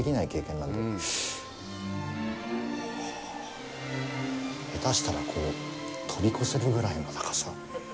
はあ、下手したら飛び越せるぐらいの高さ。